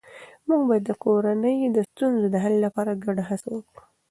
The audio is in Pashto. موږ باید د کورنۍ د ستونزو د حل لپاره ګډه هڅه وکړو